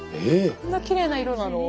こんなきれいな色なの？